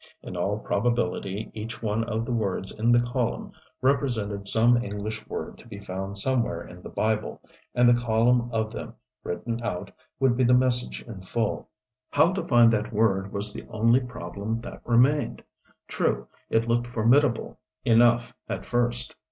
In all probability each one of the words in the column represented some English word to be found somewhere in the Bible, and the column of them, written out, would be the message in full. How to find that word was the only problem that remained. True, it looked formidable enough at first.